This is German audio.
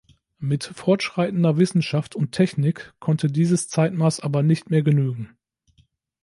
Mit fortschreitender Wissenschaft und Technik konnte dieses Zeitmaß aber nicht mehr genügen.